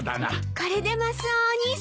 これでマスオお兄さん